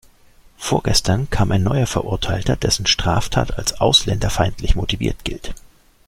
Vorgestern kam ein neuer Verurteilter, dessen Straftat als ausländerfeindlich motiviert gilt.